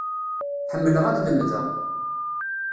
Ḥemmleɣ ad lemdeɣ.